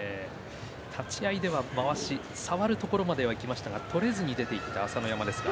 立ち合いでは、まわし触るところまではいきましたが取れずにいました。